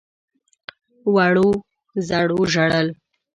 وړو _زړو ژړل.